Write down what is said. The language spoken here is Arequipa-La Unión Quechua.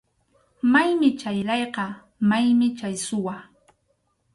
Maymi chay layqa, maymi chay suwa.